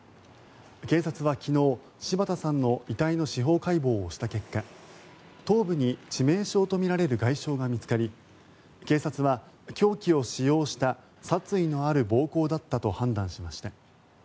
警察は昨日、柴田さんの遺体の司法解剖をした結果頭部に致命傷とみられる外傷が見つかり警察は、凶器を使用した殺意のある暴行だったと判断しました。